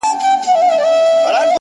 o تك سپين زړگي ته دي پوښ تور جوړ كړی،